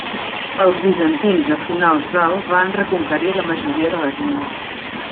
Els bizantins a finals del van reconquerir la majoria de les illes.